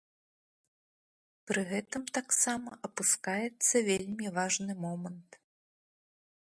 Пры гэтым таксама апускаецца вельмі важны момант.